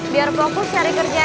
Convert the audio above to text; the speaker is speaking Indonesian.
biar koku cari kerjanya